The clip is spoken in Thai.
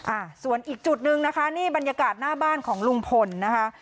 อ่าส่วนอีกจุดหนึ่งนะคะนี่บรรยากาศหน้าบ้านของลุงพลนะคะ